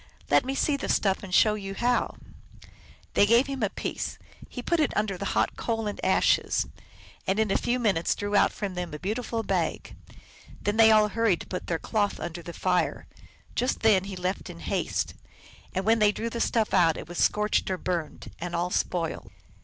Let me see the stuff and show you how !" They gave him a piece : he put it under the hot coals and ashes, and in a few minutes drew out from them a beautiful bag. Then they all hurried to put their cloth under the fire. Just then he left in haste. And when they drew the stuff out it was scorched or burned, and all spoiled.